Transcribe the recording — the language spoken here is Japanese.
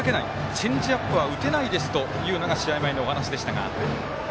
チェンジアップは打てないですというのが試合前のお話でしたが。